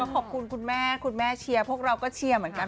ขอบคุณคุณแม่คุณแม่เชียร์พวกเราก็เชียร์เหมือนกัน